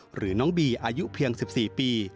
หรือน้องบีอายุเพียง๑๔ปี